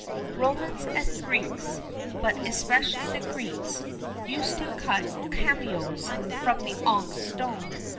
Romans and Greeks, but especially the Greeks, used to cut "cameos" from the onyx stone.